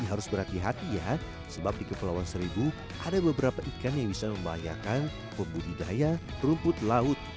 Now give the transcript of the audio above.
harus berhati hati ya sebab di kepulauan seribu ada beberapa ikan yang bisa membahayakan pembudidaya rumput laut